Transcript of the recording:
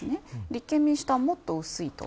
立憲民主党はもっと薄いと。